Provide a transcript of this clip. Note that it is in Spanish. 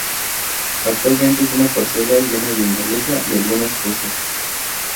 Actualmente es una parcela llena de maleza y algunas fosas.